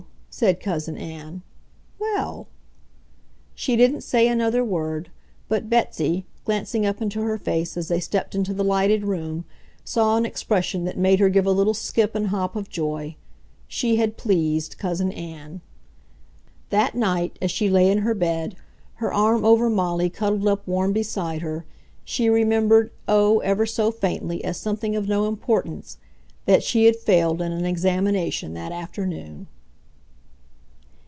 said Cousin Ann. "Well ..." She didn't say another word, but Betsy, glancing up into her face as they stepped into the lighted room, saw an expression that made her give a little skip and hop of joy. She had PLEASED Cousin Ann. That night, as she lay in her bed, her arm over Molly cuddled up warm beside her, she remembered, oh, ever so faintly, as something of no importance, that she had failed in an examination that afternoon.